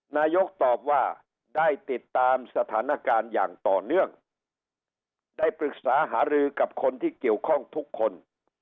นายกตอบว่าได้ติดตามสถานการณ์อย่างต่อเนื่องได้ปรึกษาหารือกับคนที่เกี่ยวข้องทุกคน